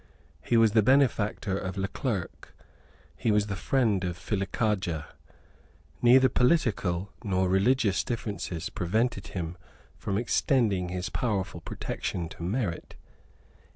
He was the benefactor of Leclerc. He was the friend of Filicaja. Neither political nor religious differences prevented him from extending his powerful protection to merit.